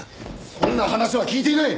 そんな話は聞いていない！